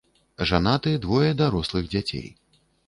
Жанаты, двое дарослых дзяцей.